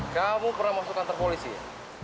kamu pernah masuk kantor polisi ya